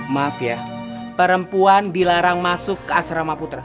maaf ya perempuan dilarang masuk ke asrama putra